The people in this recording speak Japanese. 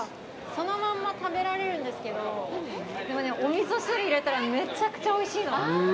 このまんま食べられるんですけどでもね、お味噌汁に入れたらめちゃくちゃおいしいの。